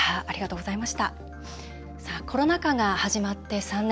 コロナ禍が始まって３年。